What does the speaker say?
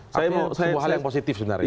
tapi semua hal yang positif sebenarnya